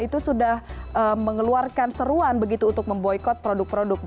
itu sudah mengeluarkan seruan begitu untuk memboykot produk produk